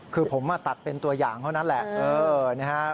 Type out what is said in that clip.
คือผมมาตัดเป็นตัวอย่างเท่านั้นแหละ